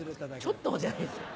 「ちょっと」じゃないです。